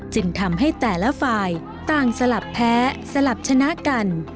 จึงทำให้แต่ละฝ่ายต่างสลับแพ้สลับชนะกัน